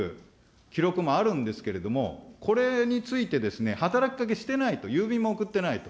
記録もあるんですけれども、これについて、働きかけしてないと、郵便も送ってないと。